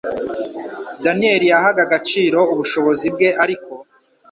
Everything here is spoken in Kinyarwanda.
Daniyeli yahaga agaciro ubushobozi bwe, ariko